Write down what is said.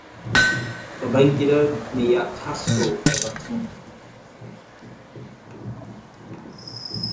Babangida ne ya taso da batun.